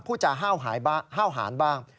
ผู้จาห้าวหานบ้าง